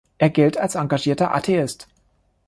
Er gilt als engagierter Atheist.